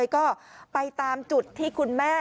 กลุ่มตัวเชียงใหม่